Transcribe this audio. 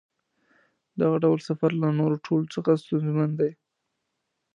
دغه ډول سفر له نورو ټولو څخه ستونزمن دی.